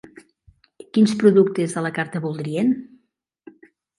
Quins productes de la carta voldrien?